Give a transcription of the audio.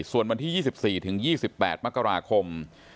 ส่วนวันที่๒๔ถึง๒๘มกราคม